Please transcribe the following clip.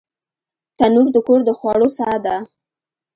تنور د کور د خوړو ساه ده